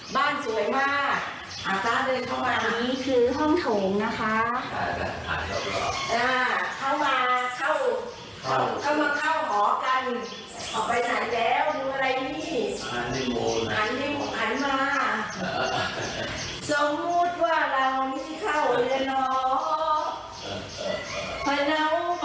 บ้านไทยบ้านกรุงสูรและด้านมืดสูรไทยขนาดนี้เราอยู่ที่รีสอร์ทนะคะ